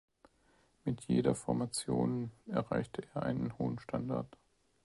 Mit jeder Formation erreichte er einen hohen Standard.